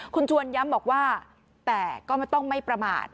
คุณชวนย้ำบอกว่าแต่ก็ไม่ต้องไม่ประมาท